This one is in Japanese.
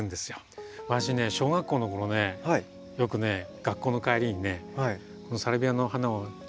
私ね小学校の頃ねよくね学校の帰りにねこのサルビアの花をちょっと取ってね。